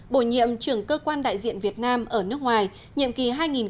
bổ nhiệm trưởng cơ quan đại diện việt nam ở nước ngoài nhiệm kỳ hai nghìn một mươi năm hai nghìn hai mươi